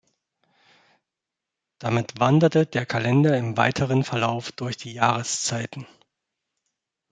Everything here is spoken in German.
Damit „wanderte“ der Kalender im weiteren Verlauf durch die Jahreszeiten.